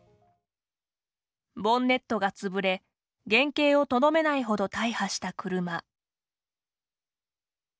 ボンネットが潰れ原形をとどめないほど大破した車。